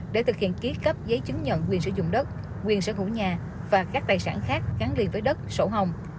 để thực hiện ký cấp giấy chứng nhận quyền sử dụng đất quyền sở hữu nhà và các tài sản khác gắn liền với đất sổ hồng